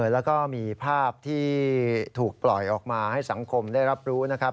แล้วก็มีภาพที่ถูกปล่อยออกมาให้สังคมได้รับรู้นะครับ